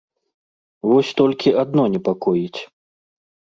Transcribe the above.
Вось толькі адно непакоіць.